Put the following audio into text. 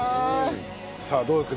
さあどうですか？